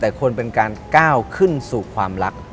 แต่ควรเป็นการก้าวขึ้นสู่ความรัก